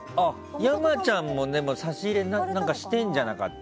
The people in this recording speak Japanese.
山ちゃんもね、差し入れはしてるんじゃなかった？